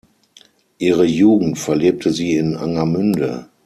Ihre Jugend verlebte sie in Angermünde.